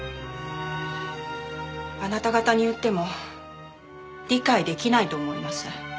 あなた方に言っても理解できないと思います。